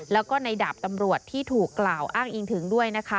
แล้วก็ในดาบตำรวจที่ถูกกล่าวอ้างอิงถึงด้วยนะคะ